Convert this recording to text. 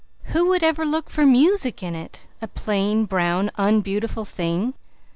Who would ever look for music in it, a plain, brown, unbeautiful thing?